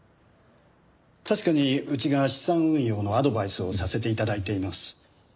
確かにうちが資産運用のアドバイスをさせて頂いています。